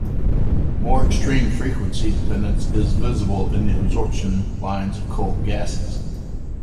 More extreme frequency-dependence is visible in the absorption lines of cold gases.